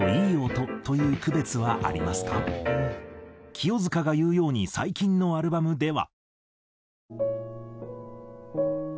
清塚が言うように最近のアルバムでは。